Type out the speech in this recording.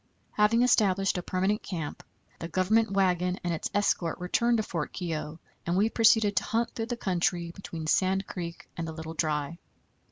Having established a permanent camp, the Government wagon and its escort returned to Fort Keogh, and we proceeded to hunt through the country between Sand Creek and the Little Dry.